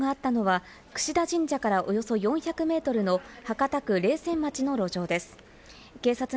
事故があったのは櫛田神社から、およそ４００ｍの博多区冷泉町の路上です。